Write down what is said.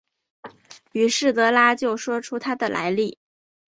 于是德拉就说出他的来历。